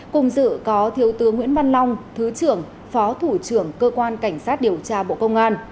cùng dự có thiếu tướng nguyễn văn long thứ trưởng phó thủ trưởng cơ quan cảnh sát điều tra bộ công an